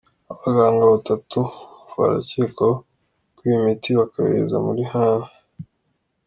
Abaganga ba tatu barakekwaho kwiba imiti bakayohereza muri hanze